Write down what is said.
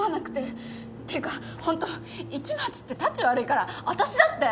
っていうかホント市松ってたち悪いからあたしだって。